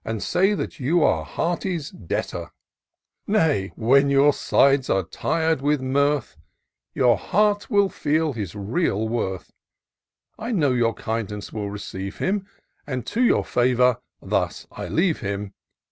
And say that you are Hearty's debtor: Nay, when your sides are tir'd with mirth, Your heart will feel his real worth. I know your kindness will receive him, And to your favour thus I leave him.